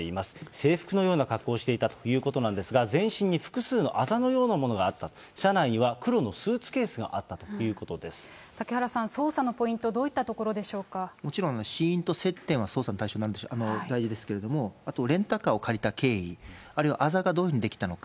制服のような格好をしていたということなんですが、全身に複数のあざのようなものがあったと、車内には黒のスーツケースがあった嵩原さん、捜査のポイント、もちろん、死因と接点は捜査の対象になり、大事ですけれども、あとレンタカーを借りた経緯、あるいはあざがどういうふうに出来たのか。